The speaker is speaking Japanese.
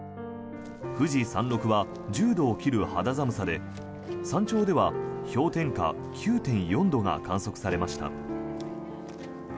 富士山麓は１０度を切る肌寒さで山頂では氷点下９．４度が観測されました。